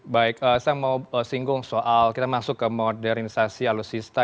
baik saya mau singgung soal kita masuk ke modernisasi alutsista